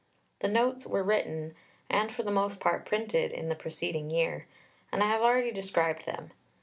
The Notes were written, and for the most part printed, in the preceding year, and I have already described them.